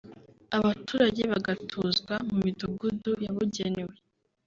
abaturage bagatuzwa mu midugudu yabugenewe